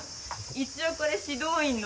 一応これ指導員の。